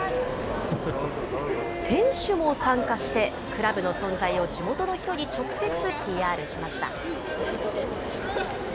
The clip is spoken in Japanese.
選手も参加して、クラブの存在を地元の人に直接ＰＲしました。